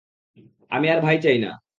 আমি আর ভাই চাই না।